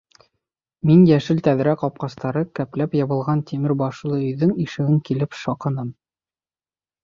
Мин йәшел тәҙрә ҡапҡастары кәпләп ябылған тимер башлы өйҙөң ишеген килеп шаҡыным.